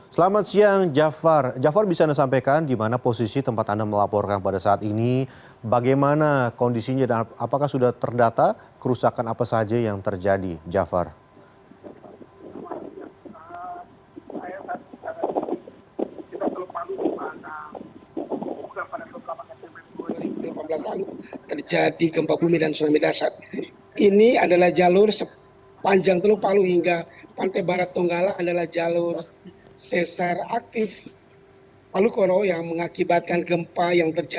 selamat siang jafar jafar bisa anda sampaikan di mana posisi tempat anda melaporkan pada saat ini bagaimana kondisinya dan apakah sudah terdata kerusakan apa saja yang terjadi jafar